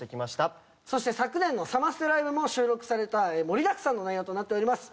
そして昨年のサマステライブも収録された盛りだくさんの内容となっております。